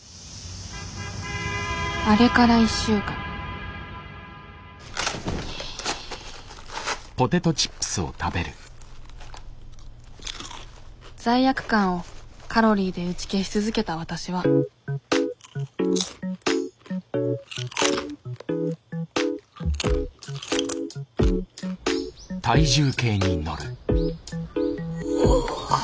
あれから１週間罪悪感をカロリーで打ち消し続けたわたしはお。